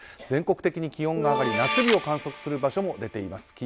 全国的に気温が上がり夏日を観測する場所も出ています。